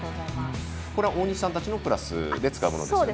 これは大西さんたちのクラスで使うものですね。